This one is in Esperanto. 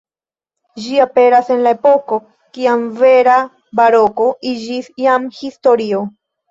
Ĝi aperas en le epoko, kiam vera baroko iĝis jam historio.